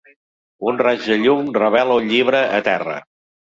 Un raig de llum revela un llibre a terra.